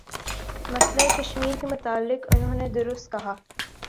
مسئلہ کشمیر کے متعلق انہوں نے درست کہا